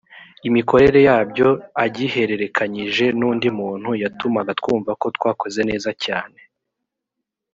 imikorere yabyo agihererekanyije n undi muntu yatumaga twumva ko twakoze neza cyane